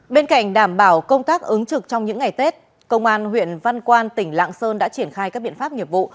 bên cạnh đảm bảo công tác ứng trực trong những ngày tết công an huyện văn quan tỉnh lạng sơn đã triển khai các biện pháp nghiệp vụ